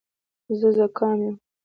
زه زکام یم.